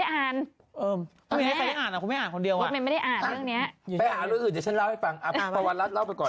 ไปหาเรื่องอื่นเดี๋ยวฉันเล่าให้ฟังประวัติรัฐเล่าไปก่อน